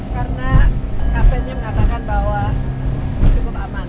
karena kaptennya mengatakan bahwa cukup aman